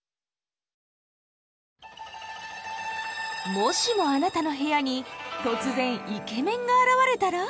もしもあなたの部屋に突然イケメンが現れたら？